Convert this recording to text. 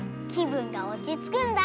ぶんがおちつくんだ！